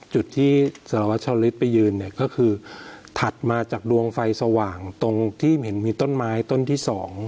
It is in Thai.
จุดที่สารวัชลิศไปยืนเนี่ยก็คือถัดมาจากดวงไฟสว่างตรงที่เห็นมีต้นไม้ต้นที่๒